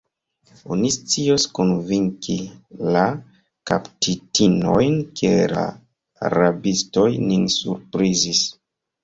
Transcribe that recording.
Oni scios konvinki la kaptitinojn, ke la rabistoj nin surprizis.